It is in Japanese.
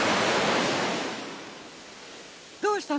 どうしたの？